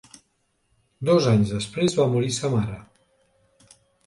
Dos anys després va morir sa mare.